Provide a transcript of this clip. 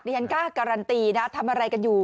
นี่การการันตีนะทำอะไรกันอยู่